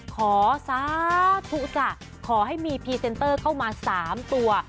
ขอสาธุจ้ะขอให้มีพรีเซนเตอร์เข้ามา๓ตัว